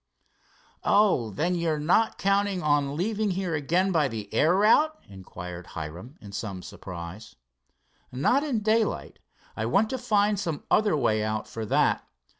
"Oh, then you're not counting an leaving here again by the air route?" inquired Hiram in some surprise. "Not in daylight. I want to find some other way out for that.